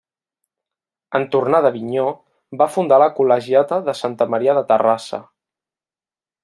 En tornar d'Avinyó, va fundar la col·legiata de Santa Maria de Terrassa.